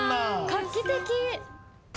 画期的！